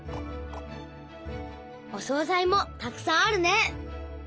お総菜もたくさんあるね。